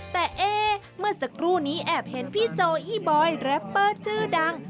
แต่เอ๊เมื่อสักครู่นี้แอบเห็นพี่โจอี้บอยแรปเปอร์ชื่อดัง